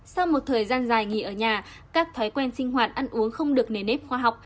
sau một thời gian dài nghỉ ở nhà các thói quen sinh hoạt ăn uống không được nề nếp khoa học